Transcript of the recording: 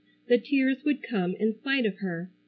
The tears would come in spite of her.